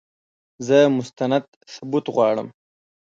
زه مستند ثبوت غواړم !